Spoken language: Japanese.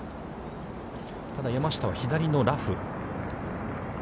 ただ、山下は左のラフ。